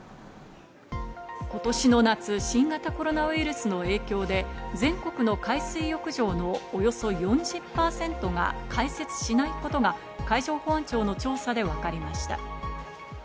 今年の夏、新型コロナウイルスの影響で全国の海水浴場のおよそ４０％が開設しないことが海上保安庁の調査でわかりました。